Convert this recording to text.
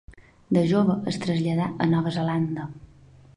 De jove es traslladà a Nova Zelanda.